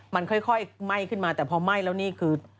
มันค่อยไหม้ขึ้นมาแต่พอไหม้แล้วนี่คือ